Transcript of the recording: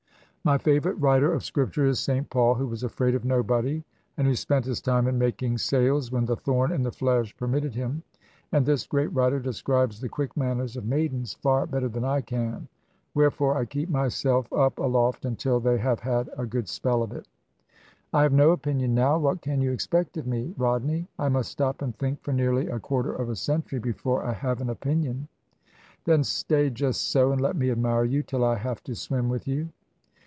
My favourite writer of Scripture is St Paul, who was afraid of nobody, and who spent his time in making sails when the thorn in the flesh permitted him. And this great writer describes the quick manners of maidens far better than I can. Wherefore I keep myself up aloft until they have had a good spell of it. "I have no opinion, now. What can you expect of me? Rodney, I must stop and think for nearly a quarter of a century before I have an opinion." "Then stay, just so; and let me admire you, till I have to swim with you."